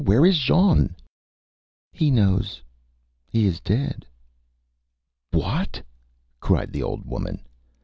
Where is Jean?Â ÂHe knows ... he is dead.Â ÂWhat!Â cried the old woman.